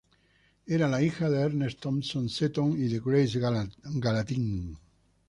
Era la hija de Ernest Thompson Seton y de Grace Gallatin.